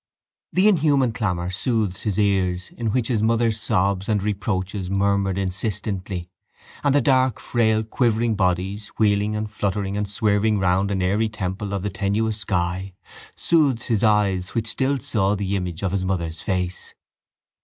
The inhuman clamour soothed his ears in which his mother's sobs and reproaches murmured insistently and the dark frail quivering bodies wheeling and fluttering and swerving round an airy temple of the tenuous sky soothed his eyes which still saw the image of his mother's face.